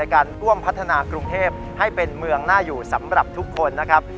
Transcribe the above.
การร่วมพัฒนากรุงเทพให้เป็นเมืองน่าอยู่สำหรับทุกคนนะครับ